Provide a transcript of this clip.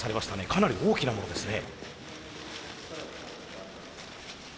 かなり大きなものですね。